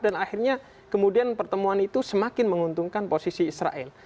akhirnya kemudian pertemuan itu semakin menguntungkan posisi israel